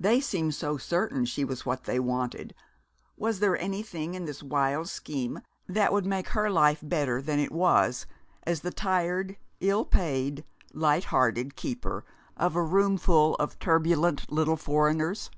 They seemed so certain she was what they wanted was there anything in this wild scheme that would make her life better than it was as the tired, ill paid, light hearted keeper of a roomful of turbulent little foreigners?